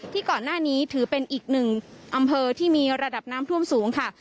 ก่อนหน้านี้ถือเป็นอีกหนึ่งอำเภอที่มีระดับน้ำท่วมสูงค่ะ